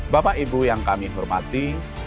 bapak ibu yang kami hormati